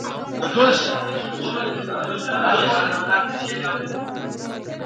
خدایه سترګي مي ړندې ژبه ګونګۍ کړې ..